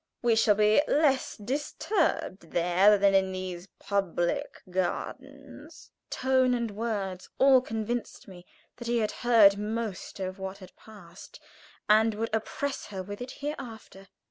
We shall be less disturbed there than in these public gardens." Tone and words all convinced me that he had heard most of what had passed, and would oppress her with it hereafter.